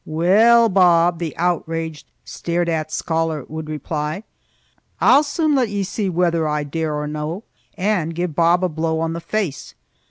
"Weel, Bob," the outraged stared at scholar would reply, "I'll soon let ye see whether I daur or no!" and give Bob a blow on the face.